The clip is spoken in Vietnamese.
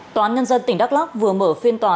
tòa án nhân dân tỉnh đắk lắc vừa mở phiên tòa